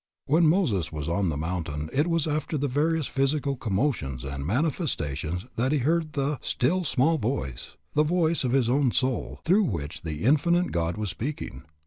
When Moses was on the mountain it was after the various physical commotions and manifestations that he heard the "still, small voice," the voice of his own soul, through which the Infinite God was speaking.